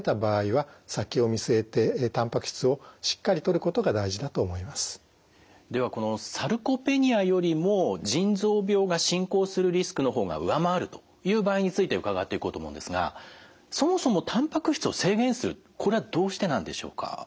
え病気があってもなくてもではこのサルコペニアよりも腎臓病が進行するリスクの方が上回るという場合について伺っていこうと思うんですがそもそもたんぱく質を制限するこれはどうしてなんでしょうか？